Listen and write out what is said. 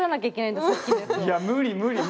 いや無理無理無理。